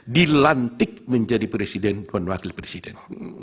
dilantik menjadi presiden dan wakil presiden